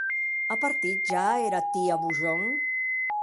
A partit ja era tia Bougon?